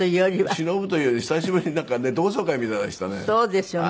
しのぶというより久しぶりになんかね同窓会みたいでしたね。